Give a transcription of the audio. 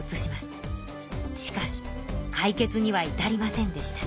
しかし解決にはいたりませんでした。